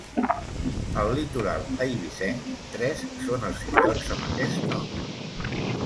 Al litoral eivissenc tres són els illots amb aquest nom.